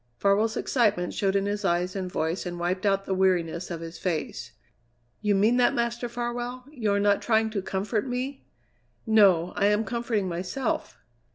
Farwell's excitement showed in his eyes and voice and wiped out the weariness of his face. "You mean that, Master Farwell? You are not trying to comfort me?" "No; I am comforting myself!"